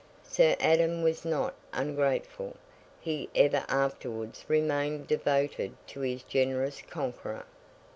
Sir Adam was not ungrateful. He ever afterwards remained devoted to his generous conqueror.